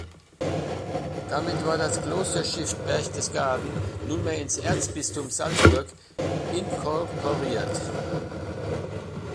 Damit war das Klosterstift Berchtesgaden nunmehr ins Erzbistum Salzburg "inkorporiert".